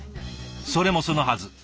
それもそのはず。